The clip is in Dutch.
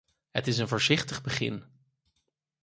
Het is een voorzichtig begin.